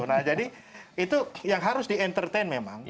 nah jadi itu yang harus di entertain memang